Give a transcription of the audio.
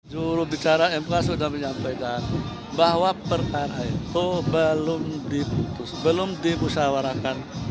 juru bicara mk sudah menyampaikan bahwa perkara itu belum diputus belum dimusyawarakan